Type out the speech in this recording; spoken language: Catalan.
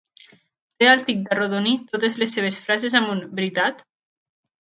Té el tic d'arrodonir totes les seves frases amb un "veritat"?.